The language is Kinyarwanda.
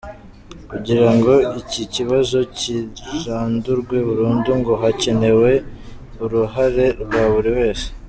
Kugira ngo iki kibazo kirandurwe burundu ngo hakenewe uruhare rwa buri wese.